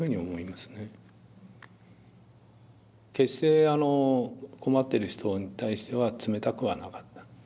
決して困っている人に対しては冷たくはなかった。